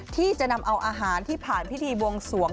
ที่จะนำเอาอาหารที่ผ่านพิธีบวงสวง